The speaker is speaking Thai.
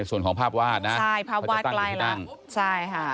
ส่วนของภาพวาดนะพอจะตั้งอยู่ที่นั่งใช่ภาพวาดใกล้แล้วใช่ค่ะ